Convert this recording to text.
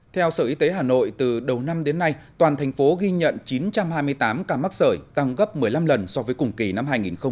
theo sở y tế hà nội từ đầu năm đến nay toàn thành phố ghi nhận chín trăm hai mươi tám ca mắc sởi tăng gấp một mươi năm lần so với cùng kỳ năm hai nghìn một mươi tám